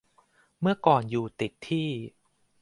เมื่อก่อนอยู่ติดที่